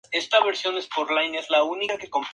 Vive en terrenos pedregosos y tierras de cultivo.